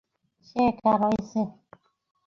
সে একা রয়েছে!